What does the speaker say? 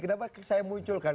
kenapa saya munculkan